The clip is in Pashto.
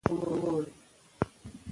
د کلینیکي ازموینو دویم پړاو ژر پیل کېږي.